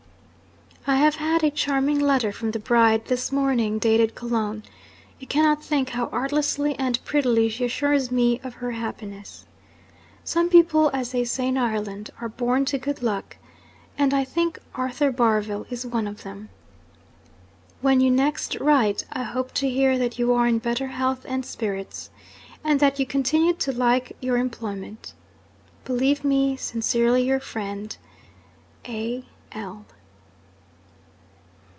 'I have had a charming letter from the bride, this morning, dated Cologne. You cannot think how artlessly and prettily she assures me of her happiness. Some people, as they say in Ireland, are born to good luck and I think Arthur Barville is one of them. 'When you next write, I hope to hear that you are in better health and spirits, and that you continue to like your employment. Believe me, sincerely your friend, A. L.'